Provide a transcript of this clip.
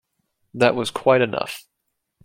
That was quite enough.